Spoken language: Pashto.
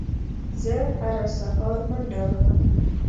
زه هره سهار منډه وهم